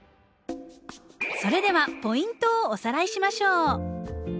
それではポイントをおさらいしましょう。